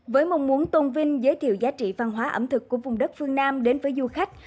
với mong muốn tôn vinh giới thiệu giá trị văn hóa ẩm thực của vùng đất phương nam đến với du khách